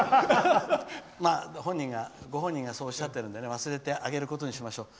まあ、ご本人がそうおっしゃってるので忘れてあげることにしましょう。